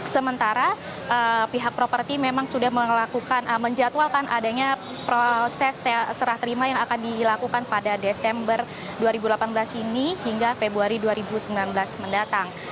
sementara pihak properti memang sudah melakukan menjatuhkan adanya proses serah terima yang akan dilakukan pada desember dua ribu delapan belas ini hingga februari dua ribu sembilan belas mendatang